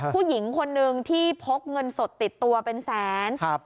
ผู้หญิงคนนึงที่พกเงินสดติดตัวเป็นแสน